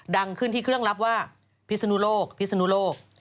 ดังขึ้นที่เครื่องรับว่าพิศนุโลกพิศนุโลก